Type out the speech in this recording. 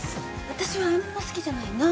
私はあんま好きじゃないな。